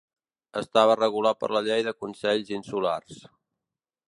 Estava regulat per la Llei de Consells Insulars.